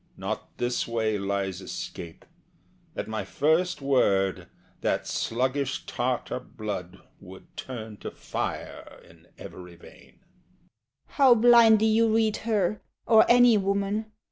Not this way lies escape. At my first word That sluggish Tartar blood would turn to fire In every vein. SHE. How blindly you read her, Or any woman!